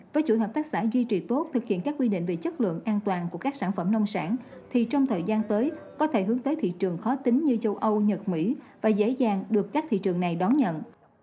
phòng kỹ thuật hành sự đang phối hợp công an thị xã cây lại và các đơn vị có thể hướng tới thị trường khó tính như châu âu nhật mỹ và dễ dàng được các thị trường này đón nhận